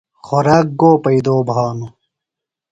خوراک گو پیئدو بھانوۡ؟